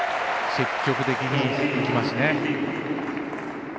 積極的にいきますね。